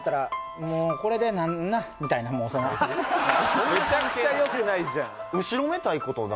僕めちゃくちゃよくないじゃん